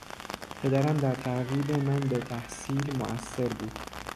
پدرم در ترغیب من به تحصیل موثر بود.